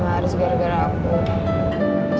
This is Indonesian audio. gak mau menurut saya dari koba lagi